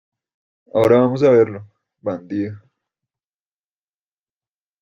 ¡ ahora vamos a verlo, bandido!